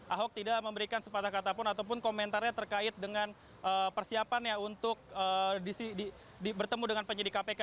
ahok tidak memberikan sepatah kata pun ataupun komentarnya terkait dengan persiapannya untuk bertemu dengan penyidik kpk